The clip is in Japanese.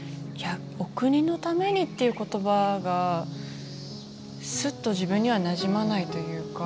お国のためにっていう言葉がスッと自分にはなじまないというか。